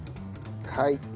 はい。